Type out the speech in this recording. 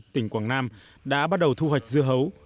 tỉnh quảng nam đã bắt đầu thu hoạch dưa hấu